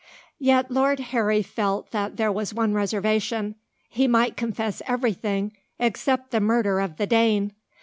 Yet, Lord Harry felt there was one reservation: he might confess everything, except the murder of the Dane.